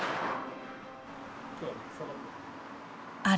あれ？